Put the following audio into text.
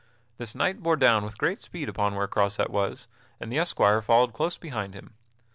This knight bore down with great speed upon where Croisette was, and the esquire followed close behind him.